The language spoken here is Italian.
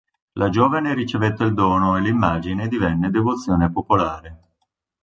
La giovane ricevette il dono e l'immagine divenne devozione popolare.